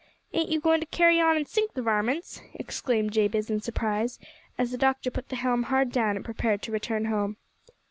"Ain't you goin' to carry on, an' sink the varmints?" exclaimed Jabez in surprise, as the doctor put the helm hard down, and prepared to return home.